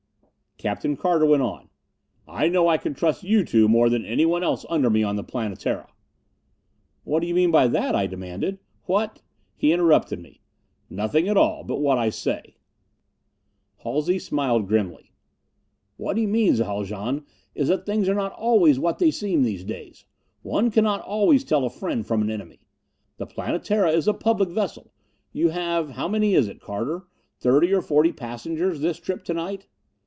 Captain Carter went on, "I know I can trust you two more than anyone else under me on the Planetara " "What do you mean by that?" I demanded. "What " He interrupted me. "Nothing at all but what I say." Halsey smiled grimly. "What he means, Haljan, is that things are not always what they seem these days. One cannot always tell a friend from an enemy. The Planetara is a public vessel. You have how many is it, Carter? thirty or forty passengers this trip to night?"